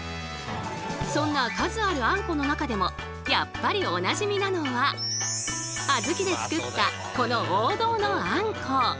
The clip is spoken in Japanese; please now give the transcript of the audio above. そんな数ある「あんこ」の中でもやっぱりおなじみなのはあずきで作ったこの王道のあんこ。